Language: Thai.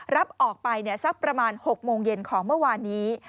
รับออกไปสักประมาณ๖โมงเย็นของเมื่อวานนี้